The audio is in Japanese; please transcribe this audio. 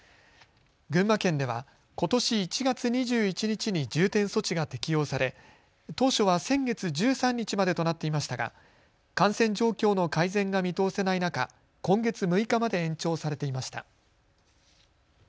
群馬県では、ことし１月２１日に重点措置が適用され当初は先月１３日までとなっていましたが感染状況の改善が見通せない中、今月６日まで延長されていました。